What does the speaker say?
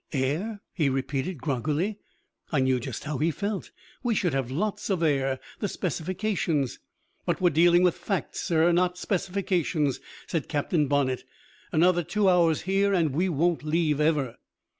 "Air?" he repeated groggily I knew just how he felt "We should have lots of air. The specifications " "But we're dealing with facts, not specifications, sir," said Captain Bonnett. "Another two hours here and we won't leave ever."